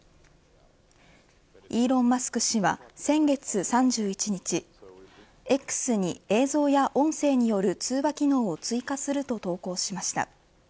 イーロン・マスク氏は先月３１日Ｘに映像や音声による通話機能を追加すると投稿しました。